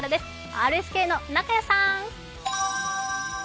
ＲＳＫの中屋さん。